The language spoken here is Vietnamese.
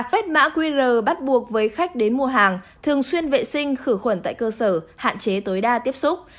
quét mã qr bắt buộc với khách đến mua hàng thường xuyên vệ sinh khử khuẩn tại cơ sở hạn chế tối đa tiếp xúc